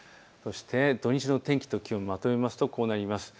土日の天気と気温まとめますとこうなります。